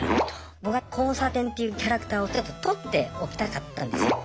僕は交差点というキャラクターをちょっと取っておきたかったんですよ。